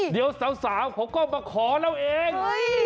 เดี๋ยวสาวเขาก็มาขอแล้วเอง